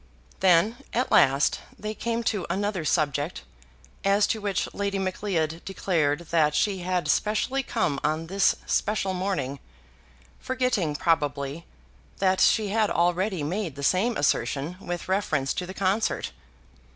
Then, at last, they came to another subject, as to which Lady Macleod declared that she had specially come on this special morning, forgetting, probably, that she had already made the same assertion with reference to the concert.